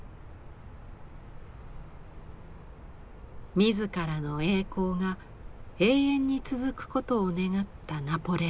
自らの栄光が永遠に続くことを願ったナポレオン。